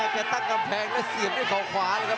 เปลี่ยนตั้งกำแพงอย่างกับสีเหมือนถอดขวาครับ